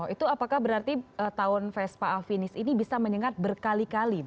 itu apakah berarti tahun vespa afinis ini bisa menyengat berkali kali